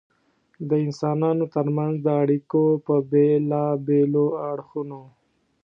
د انسانانو تر منځ د اړیکو په بېلابېلو اړخونو.